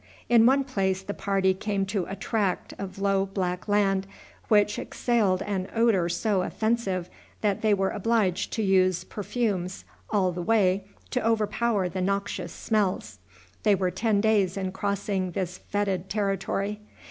In one place the party came to a tract of low black land, which exhaled an odor so offensive that they were obliged to use perfumes all the way to overpower the noxious smells. They were ten days in crossing this fetid territory.